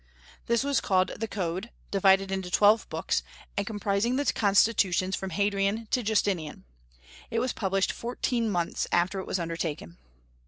This was called the Code, divided into twelve books, and comprising the constitutions from Hadrian to Justinian. It was published in fourteen months after it was undertaken.